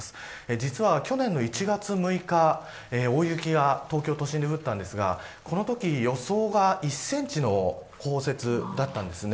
実は去年の１月６日大雪が東京都心で降ったんですがこのとき、予想が１センチの降雪だったんですね。